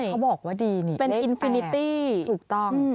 เขาบอกว่าดีนี่เลข๘ถูกต้อง